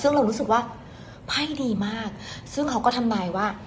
ซึ่งเรารู้สึกว่าไพ่ดีมากซึ่งเขาก็ทำนายว่า